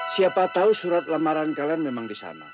siapa tahu surat lamaran kalian memang disana